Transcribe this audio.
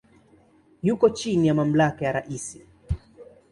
Yuko chini ya mamlaka ya rais.